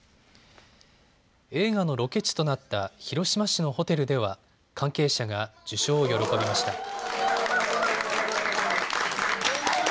映画のロケ地となった広島市のホテルでは関係者が受賞を喜びました。